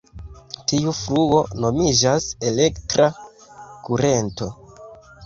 Tiu fluo nomiĝas "elektra kurento".